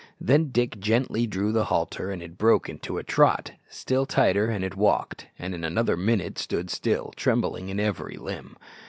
Then Dick gently drew the halter, and it broke into a trot; still tighter, and it walked, and in another minute stood still, trembling in every limb.